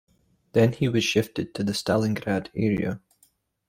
Then he was shifted to the Stalingrad area.